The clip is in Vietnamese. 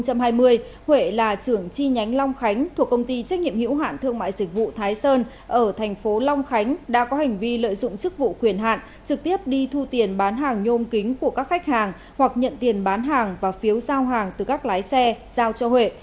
nguyễn huệ là trưởng chi nhánh long khánh thuộc công ty trách nhiệm hữu hạn thương mại dịch vụ thái sơn ở thành phố long khánh đã có hành vi lợi dụng chức vụ quyền hạn trực tiếp đi thu tiền bán hàng nhôm kính của các khách hàng hoặc nhận tiền bán hàng và phiếu giao hàng từ các lái xe giao cho huệ